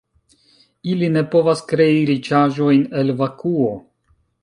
Ili ne povas krei riĉaĵojn el vakuo.